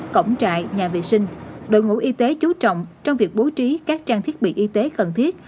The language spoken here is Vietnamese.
cổng trại nhà vệ sinh đội ngũ y tế chú trọng trong việc bố trí các trang thiết bị y tế cần thiết